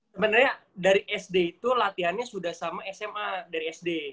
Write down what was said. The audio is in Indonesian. sebenarnya dari sd itu latihannya sudah sama sma dari sd